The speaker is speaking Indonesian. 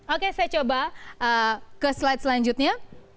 oke saya coba ke slide selanjutnya